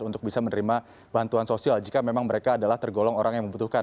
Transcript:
untuk bisa menerima bantuan sosial jika memang mereka adalah tergolong orang yang membutuhkan